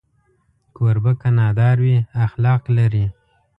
کوربه که نادار وي، اخلاق لري.